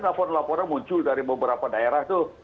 laporan laporan muncul dari beberapa daerah itu